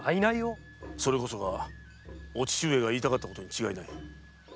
それこそがお父上が言いたかったことに違いない。